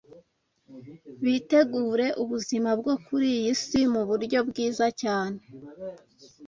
bitegura ubuzima bwo kuri iyi si mu buryo bwiza cyane